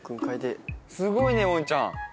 すごいねウォンちゃん